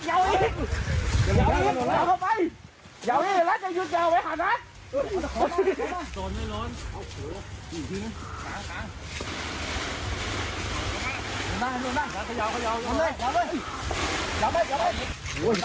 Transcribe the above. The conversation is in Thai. อย่าลืมละจะหยุดแกวไหมคะนัท